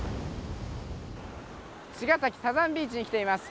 茅ヶ崎サザンビーチに来ています。